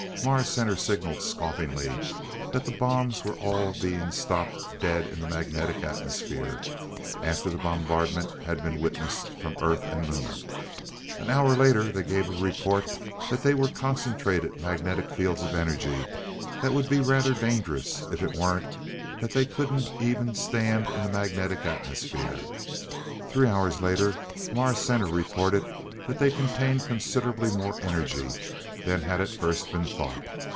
Mars Center signaled scoffingly that the bombs were all being stopped dead in the magnetic atmosphere, after the bombardment had been witnessed from Earth and Luna. An hour later they gave a report that they were concentrated magnetic fields of energy that would be rather dangerous if it weren't that they couldn't even stand into the magnetic atmosphere. Three hours later Mars Center reported that they contained considerably more energy than had at first been thought.